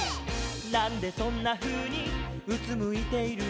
「なんでそんなふうにうつむいているの」